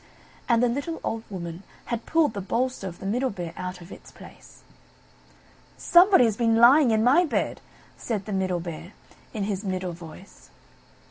And the little old Woman had pulled the bolster of the Middle Bear out of its place. "Somebody has been lying in my bed!" said the Middle Bear, in his middle voice.